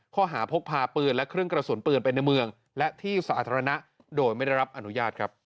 ข้อหาพกพาปืนและเครื่องกระสุนปืนไปในเมืองและที่สาธารณะโดยไม่ได้รับอนุญาตครับ